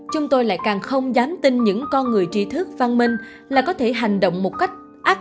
chúng tôi lại càng không dám tin những con người trí thức văn minh là có thể hành động một cách ác